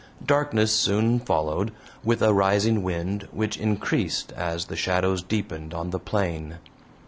Darkness soon followed, with a rising wind, which increased as the shadows deepened on the plain.